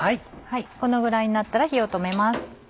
このぐらいになったら火を止めます。